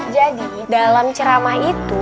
jadi dalam ceramah itu